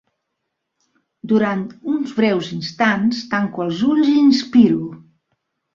Durant uns breus instants, tanco els ulls i inspiro.